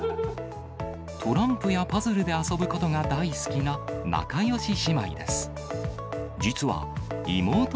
トランプやパズルで遊ぶことが大好きな仲よし姉妹です。